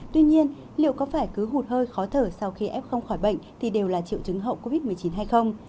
tuy nhiên liệu có phải cứ hụt hơi khó thở sau khi f không khỏi bệnh thì đều là triệu chứng hậu covid một mươi chín hay không